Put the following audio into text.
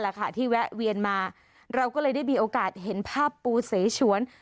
ที่แวะเวียนมาเราก็เลยได้มีโอกาสเห็นภาพปูเสฉวน